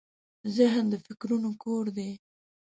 ذهن د فکرونو کور دی.